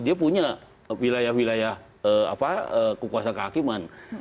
dia punya wilayah wilayah kekuasaan kehakiman